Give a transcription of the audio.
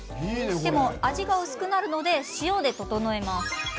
でも、味が薄くなるので塩で調えます。